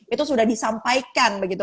itu sudah disampaikan begitu